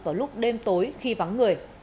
vào lúc đêm tối khi vắng người